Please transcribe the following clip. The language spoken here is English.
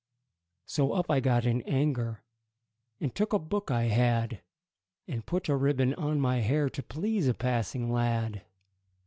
So up I got in anger, And took a book I had, And put a ribbon on my hair To please a passing lad.